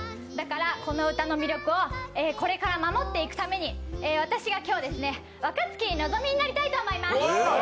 この歌の魅力をこれから守っていくために私が今日、若槻のぞみになりたいと思います！